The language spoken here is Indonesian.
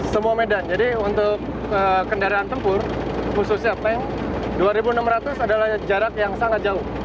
semua medan jadi untuk kendaraan tempur khususnya tank dua enam ratus adalah jarak yang sangat jauh